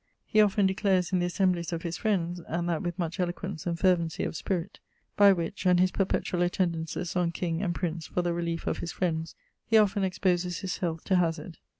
He often declares in the assemblies of his Friends, and that with much eloquence and fervency of spirit by which, and his perpetuall attendances on K and P for the reliefe of his Friends, he often exposes his health to hazard.